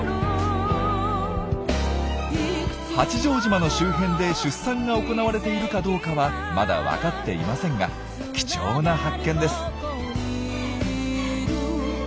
八丈島の周辺で出産が行われているかどうかはまだ分かっていませんが貴重な発見です。